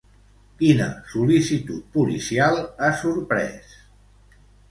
Quina sol·licitud policial ha sorprès?